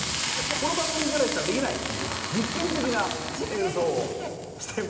この番組ぐらいしかできないという実験的な演奏をしてもらおうと思います。